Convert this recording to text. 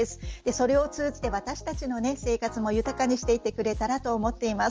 それを通じて、私たちの生活も豊かにしてくれていったらと思います。